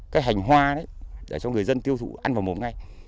cái hành hoa đấy để cho người dân tiêu thụ ăn vào một ngày